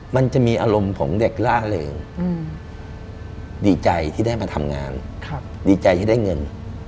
มันจะมีอารมณ์ของเด็กล่าเริงดีใจที่ได้มาทำงานดีใจที่ได้เงิน